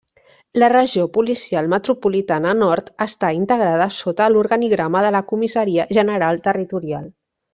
La Regió Policial Metropolitana Nord està integrada sota l'organigrama de la Comissaria General Territorial.